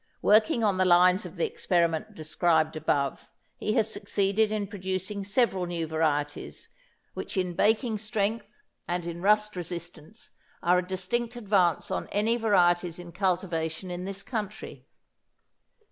Working on the lines of the experiment described above he has succeeded in producing several new varieties which in baking strength and in rust resistance are a distinct advance on any varieties in cultivation in this country.